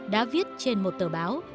đã viết trên một tờ báo